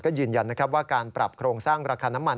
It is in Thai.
ก็ยืนยันนะครับว่าการปรับโครงสร้างราคาน้ำมัน